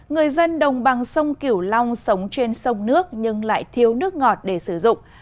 người dân đồng bằng sông kiểu long sống trên sông nước nhưng lại thiếu nước ngọt để sử dụng